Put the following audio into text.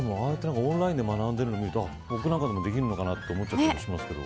オンラインで学んでいるのを見てると僕なんかでもできるのかなと思っちゃいますけど。